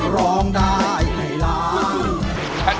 ร้องได้ให้ล้าน